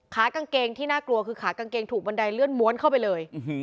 ขากางเกงที่น่ากลัวคือขากางเกงถูกบันไดเลื่อนม้วนเข้าไปเลย